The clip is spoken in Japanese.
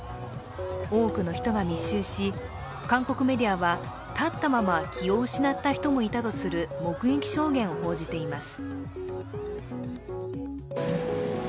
多くの人が密集し、韓国メディアは立ったまま気を失った人もいたとする目撃証言を報じています。